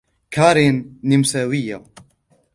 كارين نمساوية.